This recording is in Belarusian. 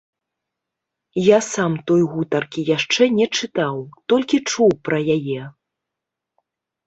Я сам той гутаркі яшчэ не чытаў, толькі чуў пра яе.